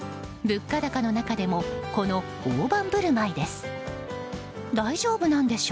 物価高の中でもこの大盤振る舞いです。